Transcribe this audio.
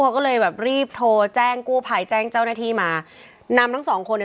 เขาก็เลยแบบรีบโทรแจ้งกู้ภัยแจ้งเจ้าหน้าที่มา